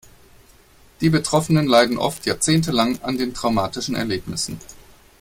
Die Betroffenen leiden oft jahrzehntelang an den traumatischen Erlebnissen.